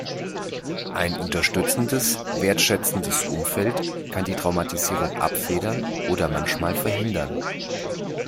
Ein unterstützendes, wertschätzendes Umfeld kann die Traumatisierung abfedern oder manchmal verhindern.